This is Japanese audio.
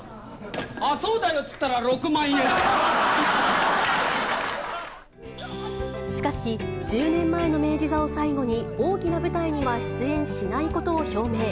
あ、そうだよって言ったら６しかし、１０年前の明治座を最後に、大きな舞台には出演しないことを表明。